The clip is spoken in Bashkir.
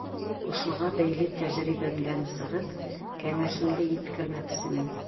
Ошоға бәйле, тәжрибәмдән сығып, кәңәшемде еткермәксемен.